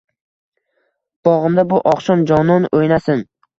Bog’imda bu oqshom jonon o’ynasin.